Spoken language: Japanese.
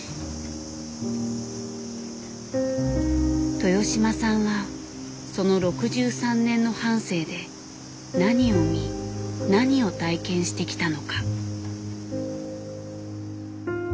豊島さんはその６３年の半生で何を見何を体験してきたのか。